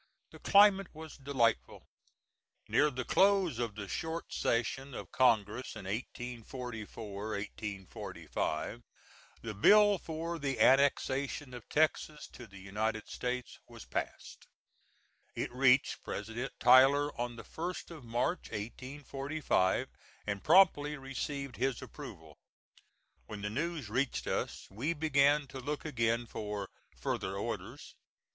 The climate was delightful. Near the close of the short session of Congress of 1844 5, the bill for the annexation of Texas to the United States was passed. It reached President Tyler on the 1st of March, 1845, and promptly received his approval. When the news reached us we began to look again for "further orders."